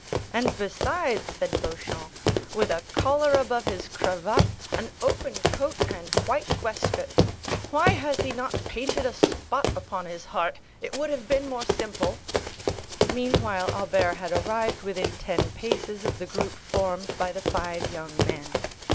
"And besides," said Beauchamp, "with a collar above his cravat, an open coat and white waistcoat! Why has he not painted a spot upon his heart?—it would have been more simple." Meanwhile Albert had arrived within ten paces of the group formed by the five young men.